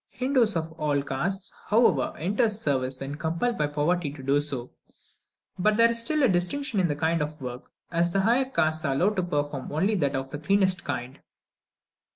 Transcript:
Hindoos of all castes, however, enter service when compelled by poverty to do so, but there is still a distinction in the kind of work, as the higher castes are allowed to perform only that of the cleanest kind.